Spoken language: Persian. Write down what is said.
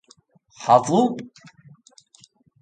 حظوب